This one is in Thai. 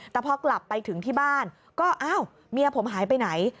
แต่พอกลับไปถึงที่บ้านก็อ้าวเมียผมหายไปไหน